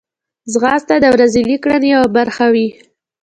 ځغاسته د ورځنۍ کړنې یوه برخه وي